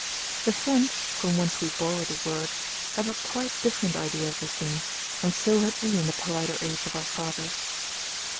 The French, from whence we borrow the word, have a quite different idea of the thing, and so had we in the politer age of our fathers.